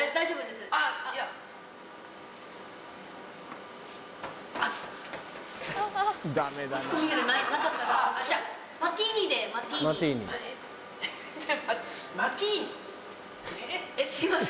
すいません。